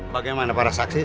bagaimana para saksi sah